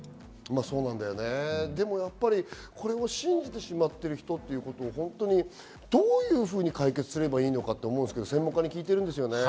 でもやっぱり、信じてしまっている人をどういうふうに解決すればいいのかと思うんですけど専門家に聞いています。